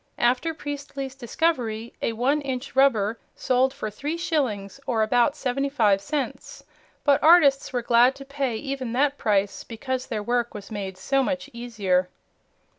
After Priestley's discovery, a one inch "rubber" sold for three shillings, or about seventy five cents, but artists were glad to pay even that price, because their work was made so much easier.